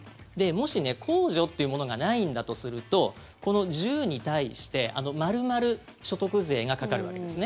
もし、控除っていうものがないんだとするとこの１０に対して丸々、所得税がかかるわけです。